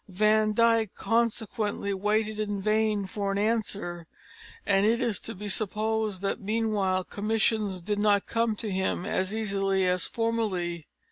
Van Dyck consequently waited in vain for an answer, and it is to be supposed that meanwhile commissions did not come to him as easily as formerly.